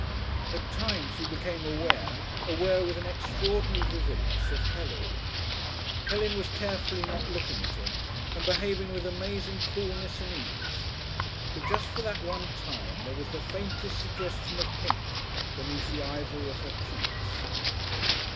At times he became aware, aware with an extraordinary vividness, of Helen. Helen was carefully not looking at him and behaving with amazing coolness and ease. But just for that one time there was the faintest suggestion of pink beneath the ivory of her cheeks....